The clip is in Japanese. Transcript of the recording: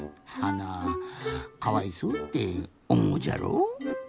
はなかわいそうっておもうじゃろ？